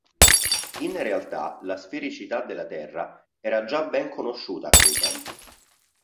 In realtà la sfericità della Terra era già ben conosciuta a quei tempi.